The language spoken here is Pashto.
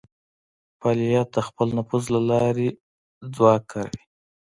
فعالین د خپل نفوذ له لارې ځواک کاروي